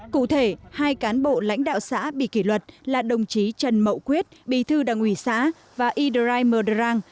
cụ thể hai cán bộ lãnh đạo xã bị kỷ luật là đồng chí trần mậu quyết bì thư đăng uỷ xã và yidrai mờ đờ rang